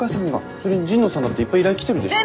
それに神野さんだっていっぱい依頼来てるでしょ？